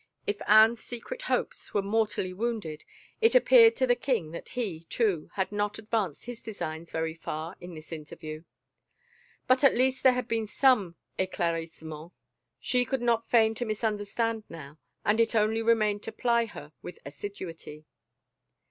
If Anne's secret hopes were mortally wounded, it appeared to the king that he, too, had not advanced his designs very far in this interview. But at least there had been an Sclaircissement — she could not feign to misunderstand now and it only re mained to ply her with assiduity.